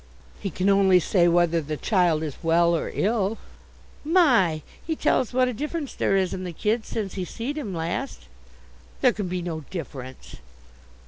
"He can only say whether the child is well or ill." "My! He tells what a difference there is in the kid since he see'd him last." "There can be no difference!"